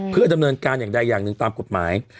เพื่อดำเนินการอย่างใดอย่างหนึ่งตามกฎหมาย